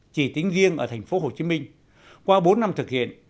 chỉ tính riêng ở thành phố hồ chí minh qua bốn năm thực hiện